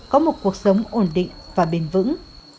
có một cuộc sống ổn định và bền vững